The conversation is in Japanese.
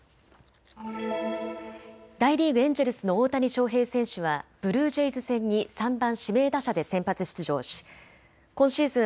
大リーグ、エンジェルスの大谷翔平選手はブルージェイズ戦に３番・指名打者で先発出場し今シーズン